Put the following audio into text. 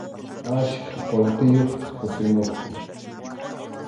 Achka qullqiyuqtaq kutimuqku.